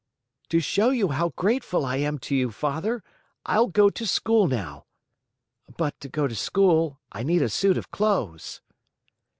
"To show you how grateful I am to you, Father, I'll go to school now. But to go to school I need a suit of clothes."